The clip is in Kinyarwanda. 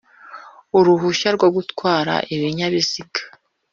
Uruhushya rwo gutwara ibinyabiziga